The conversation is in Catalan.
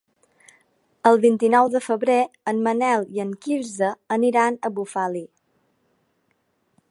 El vint-i-nou de febrer en Manel i en Quirze aniran a Bufali.